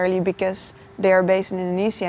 bukan karena mereka berasal di indonesia